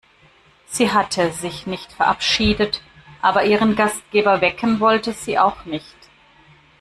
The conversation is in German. Sie hatte sich nicht verabschiedet, aber ihren Gastgeber wecken wollte sie auch nicht.